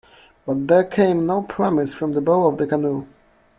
But there came no promise from the bow of the canoe.